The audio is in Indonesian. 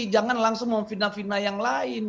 jangan langsung memvidah vidah yang lain